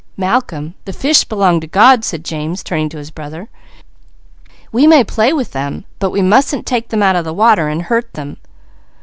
"Malcolm, the fish 'belong to God,'" said James, turning to his brother. "We may play with them, but we mustn't take them out of the water and hurt them."